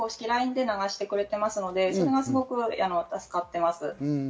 ＬＩＮＥで流してくれていますので、それがすごく助かっています。